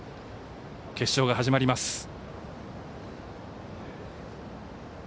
決勝が始まります。